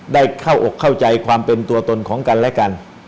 ได้เข้าอกเข้าใจความเป็นตัวตนของกันและกัน